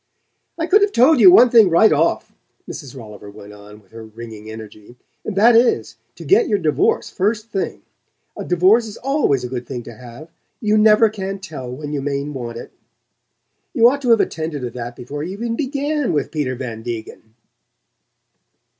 "I could have told you one thing right off," Mrs. Rolliver went on with her ringing energy. "And that is, to get your divorce first thing. A divorce is always a good thing to have: you never can tell when you may want it. You ought to have attended to that before you even BEGAN with Peter Van Degen."